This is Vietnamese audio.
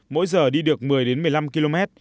mỗi giờ đi được một mươi một mươi năm km